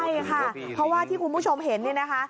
ใช่ค่ะเพราะว่าที่คุณผู้ชมเห็นเนี่ยนะคะ